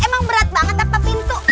emang berat banget apa pintu